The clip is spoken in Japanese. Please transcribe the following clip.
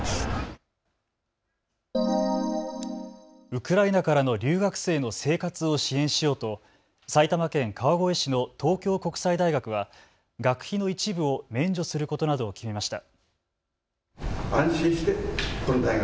ウクライナからの留学生の生活を支援しようと埼玉県川越市の東京国際大学は学費の一部を免除することなどを決めました。